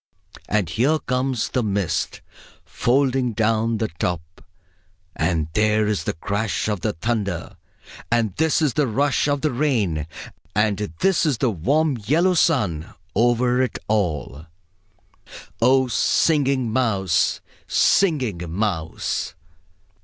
And there comes the mist, folding down the top; and there is the crash of the thunder; and this is the rush of the rain; and this is the warm yellow sun over it all O, Singing Mouse, Singing Mouse!...